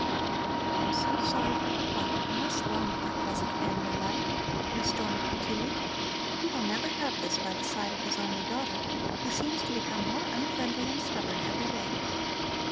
"I am so sorry for her father, who must long for a pleasant family life," Miss Dorner continued. "He will never have this by the side of his only daughter, who seems to become more unfriendly and stubborn every day.